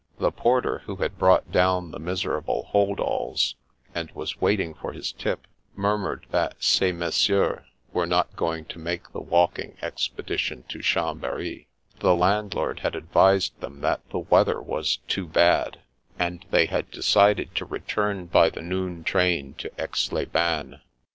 The porter, who had brought down the miserable hold alls, and was waiting for his tip, murmured that " ces messieurs" were not going to make the walking expedition to Chambery; the landlord had ad vised them that the weather was too bad, and they 3o6 The Passes had decided to return by the noon train to Aix les Bains.